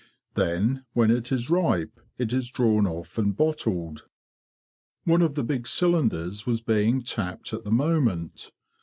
Then, when it is ripe, it is drawn off and bottled." One of the big cylinders was being tapped at the moment.